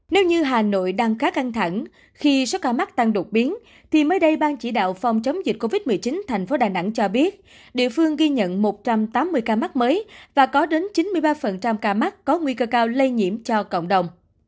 nếu như hà nội đang khá căng thẳng khi số ca mắc tăng đột biến thì mới đây ban chỉ đạo phòng chống dịch covid một mươi chín thành phố đà nẵng cho biết địa phương ghi nhận một trăm tám mươi ca mắc mới và có đến chín mươi ba ca mắc có nguy cơ cao lây nhiễm cho cộng đồng